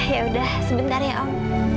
ya udah sebentar ya om